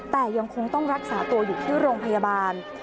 แต่ยังคงต้องรักษาตัวอยู่ที่โรงพยาบาล